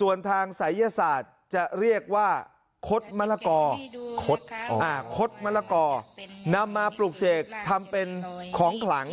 ส่วนทางศัยยศาสตร์จะเรียกว่าคดมะละกอคดมะละกอนำมาปลูกเสกทำเป็นของขลัง